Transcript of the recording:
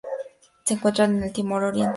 Se encuentran en Timor Oriental.